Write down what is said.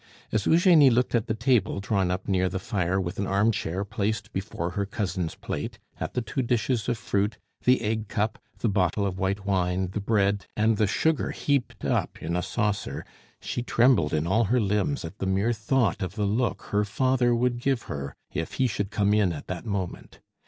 As Eugenie looked at the table drawn up near the fire with an arm chair placed before her cousin's plate, at the two dishes of fruit, the egg cup, the bottle of white wine, the bread, and the sugar heaped up in a saucer, she trembled in all her limbs at the mere thought of the look her father would give her if he should come in at that moment.